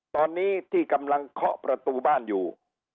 ตอนนี้ที่กำลังเคาะประตูบ้านอยู่